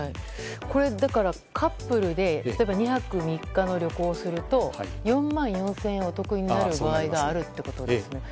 これはカップルで例えば２泊３日の旅行をすると４万４０００円お得になる場合があるということですよね。